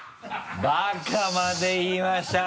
バカまで言いました。